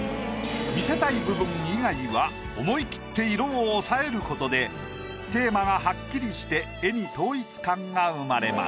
見せたい部分以外は思い切って色を抑えることでテーマがはっきりして絵に統一感が生まれます。